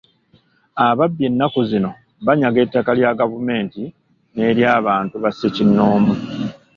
Ababbi ennaku zino banyaga ettaka lya gavumenti n’ery'abantu ba ssekonnoomu.